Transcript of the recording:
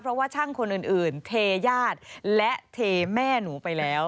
เพราะว่าช่างคนอื่นเทญาติและเทแม่หนูไปแล้ว